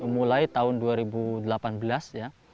mulai tahun dua ribu delapan belas ya